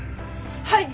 はい！